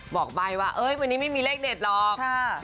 บอกใบ้ว่าวันนี้ไม่มีเลขเด็ดหรอก